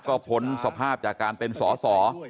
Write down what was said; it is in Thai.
ก็พ้นสภาพจากการเป็นสอสอ